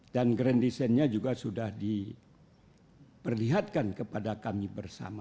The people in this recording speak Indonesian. dan grandisennya juga sudah diperlihatkan kepada kami bersama